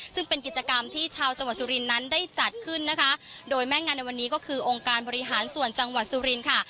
ซึ่งเป็นกิจกรรมที่ชาวจังหวัดสุรินทร์นั้นได้จัดขึ้นนะคะโดยแม่งานในวันนี้ก็คือองค์การบริหารส่วนจังหวัดสุรินค่ะ